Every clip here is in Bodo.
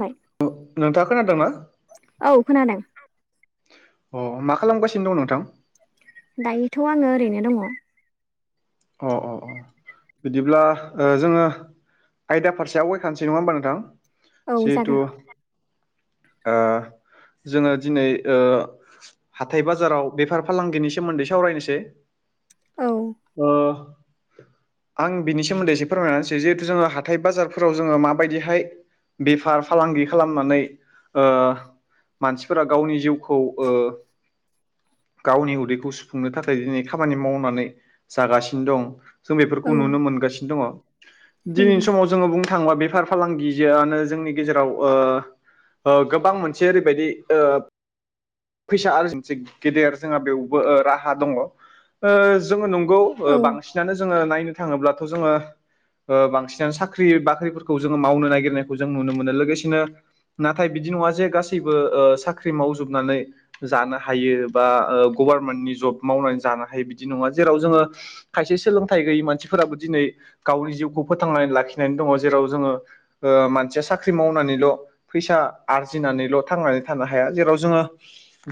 बाय नोंथाङा खोनादोंना? औ खोनादों अ मा खालामगासिनो दं नोंथां? दायोथ' आङो ओरैनो दङ। अ अ अ। बिदिब्ला जोङो आयदा फारसे आवगायखानोसै नङा होमबा नोंथां? औ जिहेथु जागोन जोङो दिनै ओ हाथाय बाजाराव बेफार फालांगिनि सोमोन्दै सावरायनोसै। औ। ओ आं बिनि सोमोन्दै एसे फोरमायनानैसै। जिहेथु जोङो हाथाइ बाजारफोराव जोङो माबायदिहाय बेफार फालांगि खालामनानै ओ मानसिफोरा गावनि जिउखौ ओ गावनि उदैखौ सुफुंनो थाखाय दिनै खामानि मावनानै जागासिनो दं जों औ बेफोरखौ नुनो मोनगासिनो दङ। दिनैनि नंगौ समाव जोङो बुंनो थाङोबा बेफार फालांगिआनो जोंनि गेजेराव ओ गोबां मोनसे ओरैबायदि ओ फैसा आरजिनायनि मोनसे गेदेर जोंहा बेवबो राहा दङ। जोङो नंगौ औ बांसिनानो जोङो नायनो थाङोब्लाथ' जोङो बांसिनानो साख्रि बाख्रिफोरखौ जोङो मावनो नागिरनायखौ जों नुनो मोनो। लोगोसेनो नाथाय बिदि नङा जे गासैबो साख्रि मावजोबनानै जानो हायो बा गभारनमेन्टनि जब मावनानै जानो हायो बिदि नङा। जेराव जोङो खायसे सोलोंथाइ गैयि मानसिफोराबो दिनै गावनि जिउखौ फोथांनानै लाखिनानै दङ। जेराव जोङो मानसिया साख्रि मावनानैल' फैसा आरजिनानैल' थांनानै थानो हाया। जेराव जोङो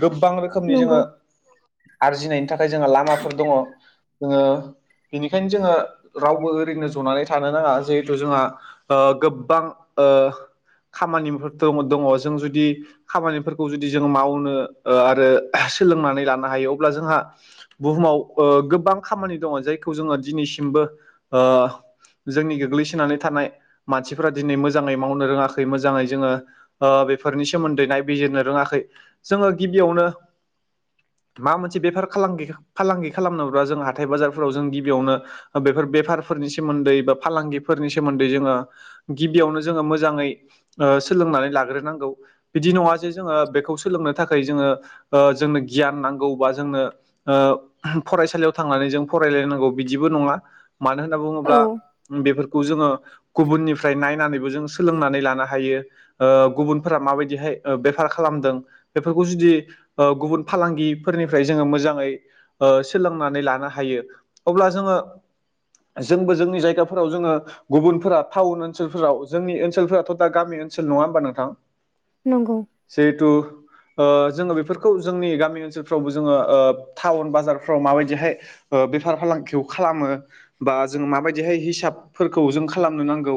गोबां रोखोमनि नंगौ जोङो आरजिनायनि थाखाय जोंहा लामाफोर दङ। जोङो बेनिखायनो जोङो रावबो ओरैनो जनानै थानो नाङा। जिहेथु जोंहा ओ गोब्बां ओ खामानिफोर दङ। जों जुदि खामानिफोरखौ जुदि जों माव सोलोंनानै लानो हायो अब्ला जोंहा बुहुमाव गोबां खामानि दङ जायखौ जोङो दिनैसिमबो ओ जोंनि गोग्लैसोनानै थानाय मानसिफोरा दिनै मोजाङै मावनो रोङाखै मोजाङै जोङो बेफोरनि सोमोन्दै नायबिजिरनो रोङाखै। जोङो गिबियावनो माबा मोनसे बेफार खालांगि फालांगि खालामनोब्ला जों हाथाय बाजारफोराव जों गिबियावनो बेफोर बेफारफोरनि सोमोन्दै बा फालांगिफोरनि सोमोन्दै जोङो गिबियावनो जोङो मोजाङै सोलोंनानै लाग्रोनांगौ। बिदि नङा जे जोङो बेखौ सो सोलोंनो थाखाय जोङो जोंनो गियान नांगौ बा जोंनो फरायसालियाव थांनानै जों फरायलायनांगौ बिदिबो नङा। मानो होनना बुङोब्ला औ बेफोरखौ जोङो गुबुननिफ्राय नायनानैबो जों सोलोंनानै लानो हायो। गुबुनफोरा माबायदिहाय बेखार खालामदों बेफोरखौ जुदि गुबुन फालांगिफोरनिफ्राय जोङो मोजाङै सोलोंनानै लानो हायो अब्ला जोङो जोंबो जोंनि जायगाफोराव जोङो गुबुनफोरा टाउन ओनसोलफोराव जोंनि ओनसोलफोराथ' दा गामि ओनसोल नङा होमबा नोंथां नंगौ सेहुथु जोङो बेफोरखौ जोंनि गामि ओनसोलफ्रावबो जोङो ओ टाउन बाजारफ्राव माबायदिहाय बेफार फालांगिखौ खालामो बा जों माबायदिहाय हिसाबफोरखौ जों खालामनो नांगौ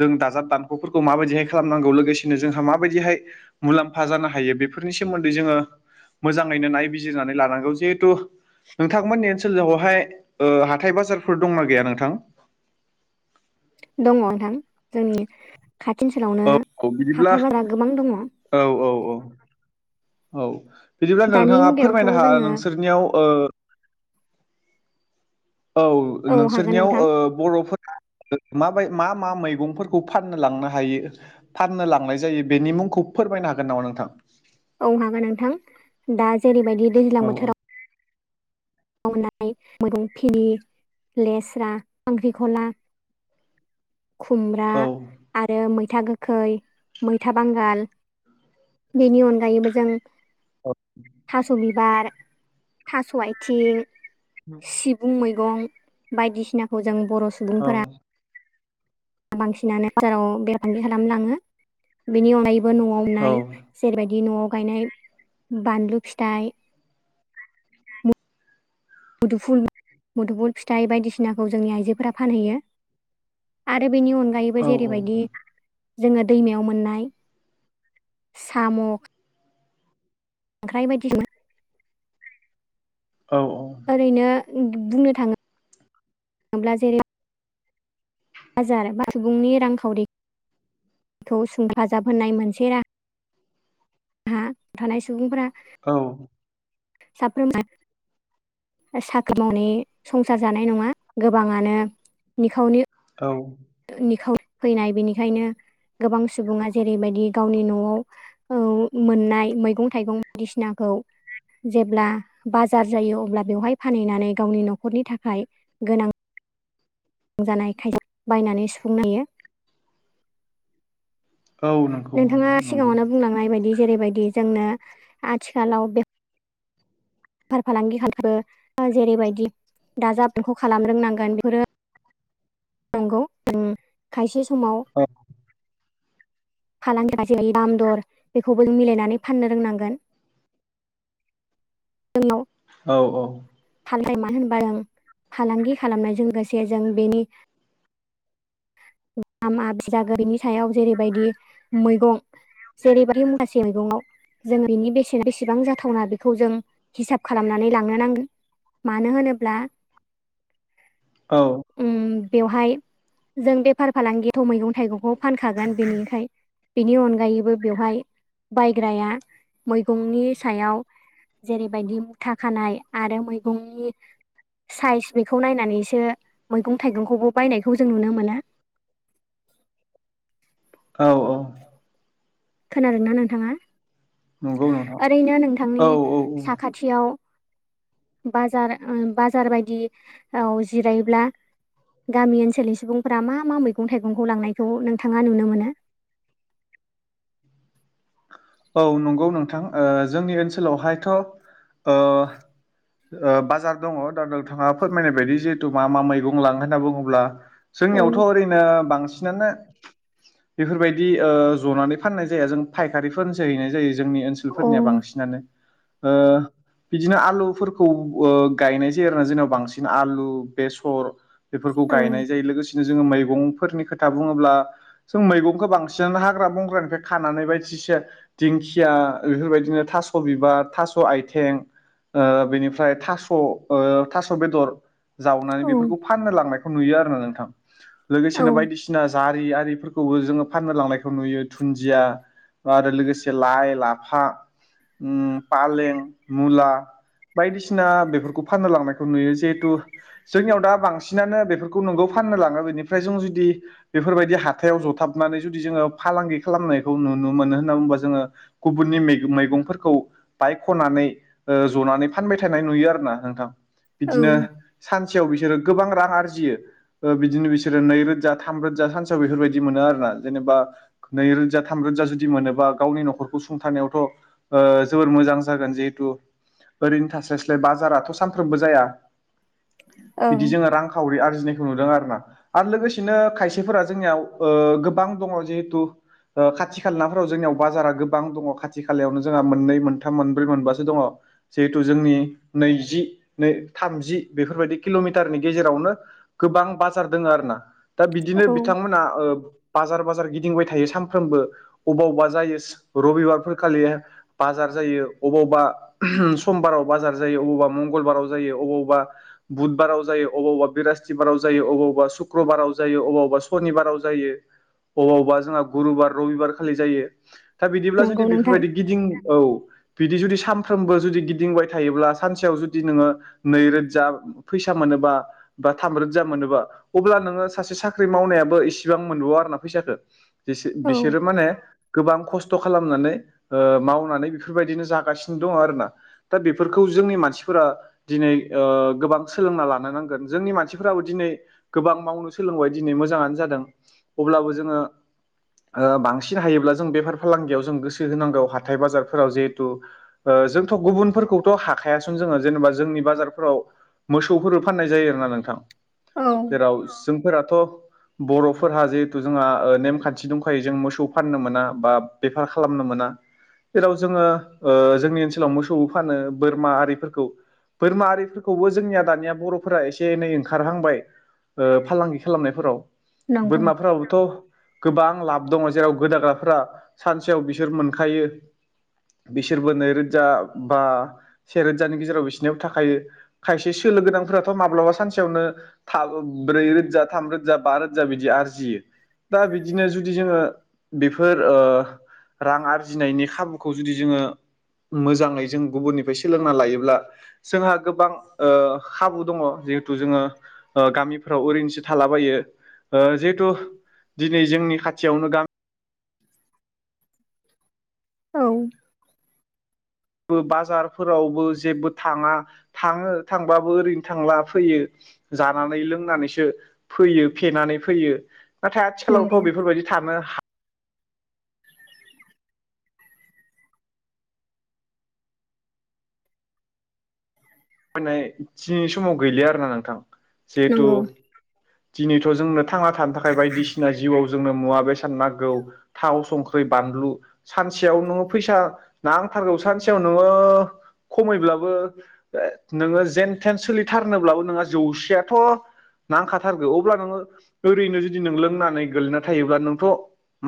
जों दाजाब दानख'फोरखौ माबायदिहाय खालामनांगौ लोगोसेनो जोंहा माबायदिहाय मुलाम्फा जानो हायो बे फोरनि सोमोन्दै जोङो मोजाङैनो नायबिजिरनानै लानांगौ जिहेथु नोंथांमोननि ओनसोलावहाय ओ हाथाय बाजारफोर दंना गैया नोंथां? दङ नोंथां जोंनि खाथि ओनसोलावनो औ औ बिदिब्ला हाथाय बारा गोबां दङ। औ औ औ औ बिदिब्ला दानि नोंथाङा मुगायावथ' फोरमायनो हा जोङो नोंसोरनियाव ओ औ औ हागोन नोंसोरनियाव नोंथां ओ बर'फोरा माबाय मा मा मैगंफोरखौ फाननो लांनो हायो? फाननो लांनाय जायो बेनि मुंखौ फोरमायनो हागोन नामा नोंथां? औ हागोन नोंथां दा जेरैबायदि दैज्लां औ बोथोराव मावनाय [unintelligible] लेस्रा खांख्रिखला खुमब्रा औ आरो मैथा गोखै मैथा बांगाल बेनि अनगायैबो जों थास' बिबार थास' आथिं सिबुं मैगं बायदिसिनाखौ जों बर' औ सुबुंफोरा बांसिनानो बाजाराव बेफार फांलांगि खालामनो लाङो बेनि अनगायैबो न'आव मोननाय औ जेरैबायदि न'आव गायनाय बानलु फिथाइ मुदुफुल मुदुफुल फिथाइ बायदिसिनाखौ जोंनि आइजोफोरा फानहैयो आरो बेनि अनगायै अनगायैबो औ जेरैबायदि जोङो दैमायाव मोननाय साम' ओख्र बायदिसिना औ ओरैनो बुंनो थाङोब्ला जेरै बाजार बा सुबुंनि रांखावरिखौ हेफाजाब होनायनाय मोनसे राहा हा थानाय सुबुंफोरा औ साफ्रोम साख्रि मावनाय संसार जानाय नङा गोबाङानो निखावनि औ निखाव फैनाय बेनिखायनो गोबां सुबुङा जेरैबायदि गावनि न'आव औ मोननाय मैगं थाइगं बायदिसिनाखौ जेब्ला बाजार जायो अब्ला बेवहाय फानहैनानै गावनि न'खरनि थाखाय गोनां गोनां जानाय खायद बायनानै सुफुंनोयो औ नंगौ नोंथाङा नोंथां नंगौ सिगाङावनो बुंलांनाय बायदि जेरैबायदि जोंनो आथिखालाव बे बेफार फालांगि खालामबो जेरैबायदि दाजाब दानख' खालाम रोंनांगोन बेफोरो नंगौ खायसे समाव औ फालांगि जेरै दामदर बेखौबो जों मिलायनानै फाननो रोंनांगोन [inaudible] [unintelligible] औ औ फालदथाय मानो होनबा जों फालांगि खालामनायजों लोगोसे जों बेनि दामा बिदा गैयिनि सायाव जेरैबायदि मैगं जेरैबादि माखासे मैगङाव जों बेनि बेसेन बेसेबां जाथावना बेखौ जों हिसाब खालामनानै लांनो नांगोन मानो होनोब्ला औ उम बेवहाय जों बेफार फालांगि थ' मैगं थाइगंखौ फानखागोन बेनिखाय बेनि अनगायैबो बेवहाय बायग्राया मैगंनि सायाव जेरैबायदि मुथा खानाय आरो मैगंनि साइज बेखौ नायनानैसो मैगं थाइगंखौबो बायनायखौ जों नुनो मोना औ औ खोनादोंना नोंथाङा नंगौ नोंथां ओरैनो नोंथांनि औ औ साखाथि औ खाथियाव बाजार बाजार बायदि जिरायोब्ला गामि ओनसोलनि सुबुंफ्रा मा मा मैगं थाइगंखौ लांनायखौ नोंथाङा नुनो मोनो औ नंगौ नोंथां जोंनि ओनसोलावहायथ' बाजार दङ दा नोंथाङा फोरमायनाय बायदि जिहेथु मा मा मैगं लाङो होनना बुङोब्ला औ जोंनियावथ' ओरैनो बांसिनानो बेफोरबायदि जनानै फाननाय जाया जों फायखारि जैनाय जायो जोंनि औ ओनसोलफोरनिया बांसिनानो बिदिनो आलुफोरखौ गायनाय जायो आरोना जोंनाव बांसिन आलु बेसर बेफोरखौ औ गायनाय जायो लोगोसेनो जोङो मैगंफोरनि खोथा खोथा बुङोब्ला जों मैगंखौ बांसिन हाग्रा बंग्रानिफ्राय खानानै बायदिसि दिंखिया बेफोरबायदिनो थास' बिबार थास' आथें बेनिफ्राय थास' थास' बेदर जावनानै बेफोरखौ औ फाननो लांनायखौ नुयो आरोना नोंथां लोगोसेनो बायदिसिना जारि आरिफोरखौबो जोङो फाननो लांनायखौ नुयो दुन्दिया आरो लोगोसे लाइ लाफा फालें मुला बायदिसिना बेफोरखौ फाननो लांनायखौ नुयो जिहेथु जोंनियाव दा बांसिनानो बेफोरखौ नोंगौ फाननो लाङो बेनिफ्राय जों जुदि बेफोरबायदि हाथायाव जथाबनानै जुदि जोङो फालांगि खालामनायखौ नुनो मोनो होनना बुंङो जोङो गुबुननि मैगंफोरखौ बाइक खनानै जनानै फानबाय थानाय नुयो आरो ना नोंथां औ बिदिनो सानसेयाव बिसोरो गोबां रां आरजियो बिदिनो बिसोरो नैरोजा थामरोजा सानसेयाव बेफोरबायदि मोनो आर ना जेनेबा नैरोजा थामरोजा जुदि मोनोबा गावनि न'खरखौ सुंथारनायावथ' जोबोर मोजां जागोन जिहेतु ओरैनो थास्लायस्लाय बाजाराथ' सानफ्रोमबो जाया बिदि ओं जोङो रां थावरि आरजिनायखौ नुदों आरो ना आरो लोगोसेनो खायसेफोरा जोंनियाव गोबां दङ जिहेथु खाथि खाला नफोराव जोंनियाव बाजारा गोबां दङ खाथि खालायावनो जोंहा मोननै मोनथाम मोनब्रै मोनबासो दङ जिहेथु जोंनि नैजि नै थामजि बेफोरबायदि किल'मिटारनि गेजेरावनो गोबां बाजार दङ आरो ना दा बिदिनो औ बिथांमोना बाजार बाजार गिदिंबाय थायो सानफ्रोमबो बबाव अबेबा जायो रबिबारफोर खालि बाजार जायो अबावबा समबाराव बाजार जायो अबावबा मंगलबाराव जायो अबावबा बुधबाराव जायो अबावबा बिरस्थिबाराव जायो अबावबा सुक्रबाराव जायो अबावबा सनिबाराव जायो अबावबा जोंहा गुरुबार रबिबार खालि जायो दा बिदिब्ला नंगौ जुदि नोंथां बेफोरबायदि गिदिं औ बिदि जुदि सानफ्रोमबो जुदि गिदिंबाय थायोब्ला सानसेयाव जुदि नोङो नैरोजा फैसा मोनोबा बा थाम रोजजा मोनोबा। अब्ला नोङो सासे साख्रि मावनायाबो इसेबां मोनबावा आरोना फैसाखो। एसे औ बिसोरो माने बां खस्थ' खालामनानै ओ मावनानै बेफोरबायदिनो जागासिनो दं आरोना। दा बेफोरखौ जोंनि मानसिफोरा दिनै ओ गोबां सोलोंना लानो नांगोन। जोंनि मानसिफोराबो दिनै गोबां मावनो सोलोंबाय दिनै मोजाङानो जादों। अब्लाबो जोङो ओ बांसिन हायोब्ला जों बेफार फालांगियाव जों गोसो सो होनांगौ हाथाइ बाजारफोराव जेहेथु। ओ जोंथ' गुबुनफोरखौथ' हाखा हायासुन जोङो जेन'बा जोंनि बाजारफोराव मोसौफोर फाननाय जायो आरोना नोंथां। औ जेराव जोंफोराथ' बर'फोरहा जेहेथु जोंहा ओ नेमखान्थि दंखायो जों मोसौ फाननो मोना बा बेफार खालामनो मोना। जेराव जोङो ओ जोंनि ओनसोलाव मोसौबो फानो बोरमा आरिफोरखौ बोरमा आरिफोरखौबो जोंनिया दानिया बर'फोरा एसे एनै ओंखारहांबाय। ओ फालांगि खालामनायफोराव नंगौ बोरमाफोराबोथ' गोबां लाब दङ' जेराव गोदाग्राफोरा सानसेयाव बिसोर मोनखायो। बिसोरबो नैरोजा बा सेरतजानि गेजेराव बिसिनियाव थाखायो। खायसे सोलो गोनांफोराथ' माब्लाबा सानसेयावनो थाब ओ ब्रै रोजा थाम रोजा बा रोजा बिदि आरजियो। दा बिदिनो जुदि जोङो बेफोर ओ रां आरजिनायनि खाबुखौ जुदि जोङो मोजाङै जों गुबुननिफाय सोलोंना लायोब्ला जोंहा गोबां ओ खाबु दङ'। जिहेथु जोङो ओ गामिफ्राव ओरैनोसो थालाबायो। ओ जिहेथु दिनै जोंनि खाथियावनो गाम औ। बो बाजारफोरावबो जेबो थाङा थाङो थांबाबो ओरैनो थांला फैयो। जानानै लोंनानैसो फैयो फेनानै फैयो। नाथाय नंगौ आथिखालावथ' बेफोरबायदि थानो हा [unintelligible] फाननाय थिनि समाव गैलिया आरोना नोंथां। जेहेथु नंगौ दिनैथ' जोंनो थांना थानो थाखाय बायदिसिना जिउआव जोंनो मुवा बेसाद नागौ। थाव, संख्रि, बानलु सानसेयाव न' फैसा नांथारगौ सानसेयाव नोङो खमैब्लाबो ओ नोङो जेनथेन सोलिथारनोब्लाबो नोंहा जौसेयाथ' नांखाथारगौ। अब्ला नोङो ओरैनो जुदि नों लोंनानै गोलैना थायोब्ला नोंथ'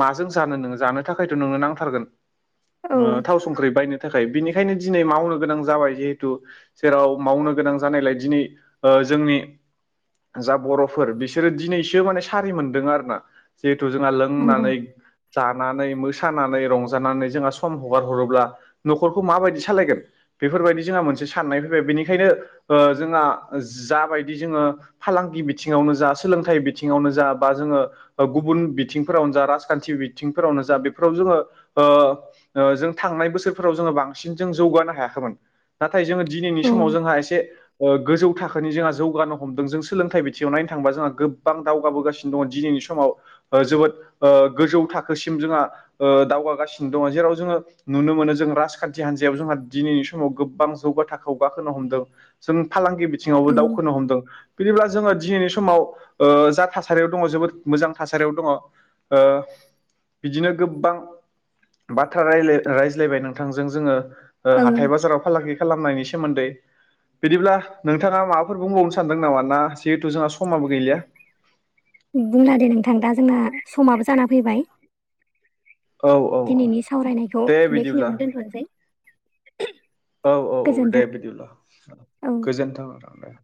माजों जानो नोङो जानो थाखायथ' नोंनो नांथारगोन। औ ओ थाव, संख्रि बायनो थाखाय बिनिखायनो दिनै मावनो गोनां जाबाय जिहेतु जेराव मावनो गोनां जानायलाय दिनै ओ जोंनि जा बर'फोर बिसोरो दिनैसो माने सारि मोनदों आरोना। जिहेथु जोंहा नंगौ लोंनानै जानानै मोसानानै रंजानानै जोंहा सम हगार हरोब्ला न'खरखौ माबायदि सालायगोन? बेफोरबायदि जोंहा मोनसे साननाय फैबाय। बेनिखायनो ओ जोंहा जा बायदि जोङो फालांगि बिथिङावनो जा, सोलोंथाइ बिथिङावनो जा बा जोङो ओ गुबुन बिथिंफोरावनो जा राजखान्थि बिथिंफोरावनो जा बेफोराव जोङो ओ ओ जों थांनाय बोसोरफोराव जोङो बांसिन जों जौगानो हायाखैमोन। थाय जोङो दिनैनि औ समाव जोंहा एसे ओ गोजौ थाखोनि जोंहा जौगानो हमदों। जों सोलोंथाइ बिथिङाव नायनो थांबा जोंहा गोबां दावगाबोगासिनो दङ' दिनैनि समाव। ओ जोबोद ओ गोजौ थाखोसिम जोंहा ओ दावगागासिनो दङ'। जेराव जोङो नुनो मोनो जों राजखान्थि हान्जायाव जोंहा दिनैनि समाव गोबां जौगाथाखोआव गाखोनो हमदों। जों फालांगि बिथिङावबो औ दावखोनो हमदों। बिदिब्ला जोङो दिनैनि समाव ओ जा थासारियाव दङ' जोबोद मोजां थासारियाव दङ'। ओ बिदिनो गोबबां बाथ्रा रायलाय ओ रायज्लायबाय नोंथांजों जोङो ओ ओं हाथाय बाजाराव फालांगि खालामनायनि सोमोन्दै बिदिब्ला नोंथाआ माबाफोर बुंबावनो सानदों नामा ना जिहेथु जोंहा समाबो गैलिया बुंला दे नोंथां दा जोंना समाबो जाना फैबाय औ औ दिनैनि सावरायनायखौ दे बिदिब्ला बेखिनिआवनो दोनथनसै औ औ औ दे गोजोन्थों बिदिब्ला औ गोजोन्थों आरो दे